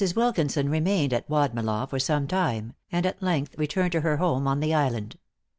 Wilkinson remained at Wadmalaw for some time, and at length returned to her home on the island.